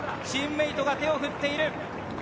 チームメートが手を振っている。